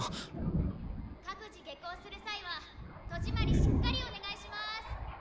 各自下校する際は戸締まりしっかりお願いします。